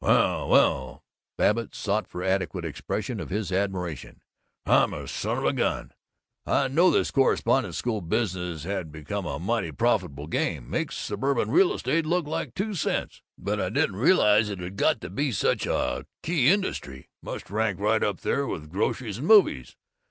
"Well well " Babbitt sought for adequate expression of his admiration. "I'm a son of a gun! I knew this correspondence school business had become a mighty profitable game makes suburban real estate look like two cents! but I didn't realize it'd got to be such a reg'lar key industry! Must rank right up with groceries and movies.